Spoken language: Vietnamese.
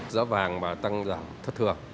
giá vàng mà tăng giảm thất thường